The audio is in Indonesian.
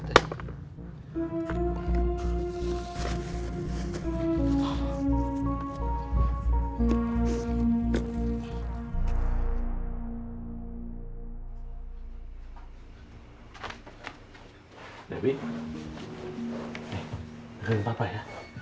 deketin papa ya